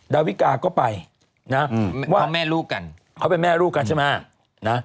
ดาวิกาก็ไปนะว่าแม่ลูกกันเขาเป็นแม่ลูกกันใช่ไหมนะ